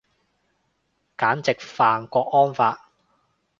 簡直犯郭安發